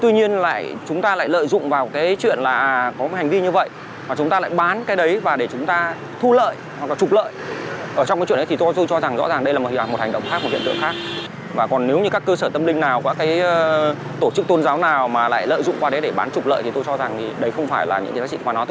tức là lại chúng ta sẽ rơi vào một trạng thái là như là một dạng là buôn bán thần thành